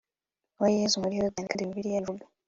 wa Yesu muri Yorodani kandi Bibiliya ivuga